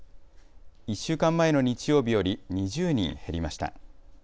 １週間前の日曜日より２０人減りました。